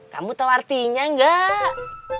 kamu tahu artinya enggak